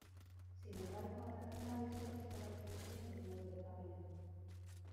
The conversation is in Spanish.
Sin embargo, atacaron varias veces con la artillería los muros de Pavía.